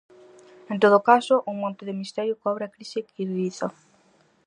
En todo caso, un manto de misterio cobre a crise quirguiza.